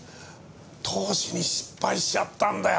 投資に失敗しちゃったんだよ。